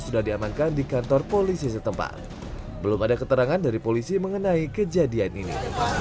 sudah diamankan di kantor polisi setempat belum ada keterangan dari polisi mengenai kejadian ini